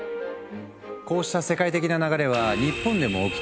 こうした世界的な流れは日本でも起きていて。